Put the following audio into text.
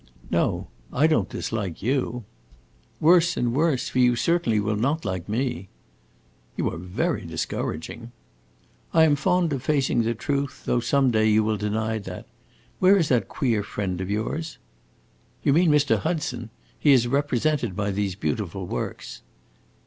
"No, I don't dislike you." "Worse and worse; for you certainly will not like me." "You are very discouraging." "I am fond of facing the truth, though some day you will deny that. Where is that queer friend of yours?" "You mean Mr. Hudson. He is represented by these beautiful works."